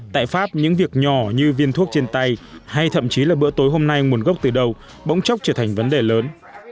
tại pháp những việc nhỏ như viên thuốc trên tay hay thậm chí là bữa tối hôm nay nguồn gốc từ đầu bỗng chốc trở thành vấn đề lớn